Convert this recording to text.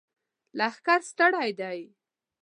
لښکر ستړی دی!